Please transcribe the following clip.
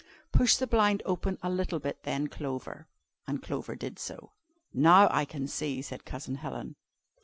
"Push the blind open a little bit then Clover;" and Clover did so. "Now I can see," said Cousin Helen.